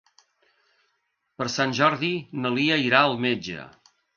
Per Sant Jordi na Lia irà al metge.